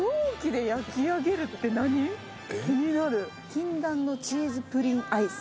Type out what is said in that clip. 「禁断のチーズプリンアイス」